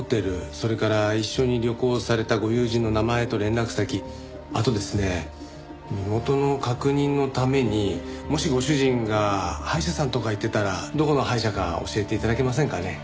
それから一緒に旅行されたご友人の名前と連絡先あとですね身元の確認のためにもしご主人が歯医者さんとか行ってたらどこの歯医者か教えて頂けませんかね？